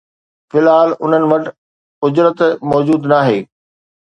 في الحال انهن وٽ اجرت موجود ناهي